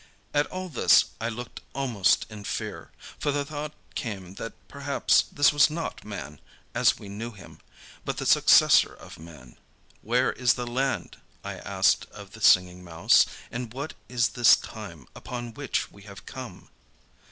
At all this I looked almost in fear, for the thought came that perhaps this was not Man as we knew him, but the successor of Man. "Where is this land," I asked of the Singing Mouse, "and what is this time upon which we have come?"